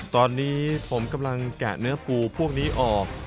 ตอนนี้ผมกำลังแกะเนื้อปูพวกนี้ออก